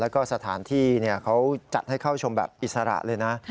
แล้วก็สถานที่เขาจัดให้เข้าชมแบบอิสระเลยนะ